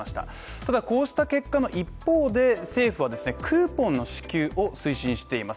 ただこうした結果の一方で、政府はですねクーポンの支給を推進しています。